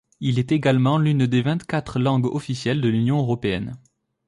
Il est également l'une des vingt-quatre langues officielles de l'Union européenne.